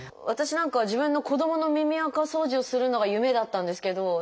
私なんかは自分の子どもの耳あかそうじをするのが夢だったんですけど。